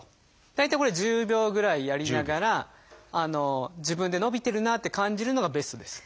大体これ１０秒ぐらいやりながら自分で伸びてるなあって感じるのがベストです。